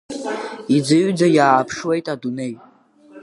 Иӡыҩӡа иааԥшуеит адунеи.